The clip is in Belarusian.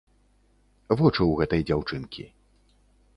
Вочы ў гэтай дзяўчынкі.